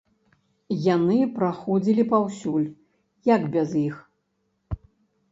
Яны праходзілі паўсюль, як без іх?